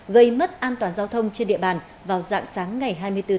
gây mất an toàn giao thông trên địa bàn vào dạng sáng ngày hai mươi bốn